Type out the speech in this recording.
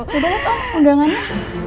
coba liat om undangannya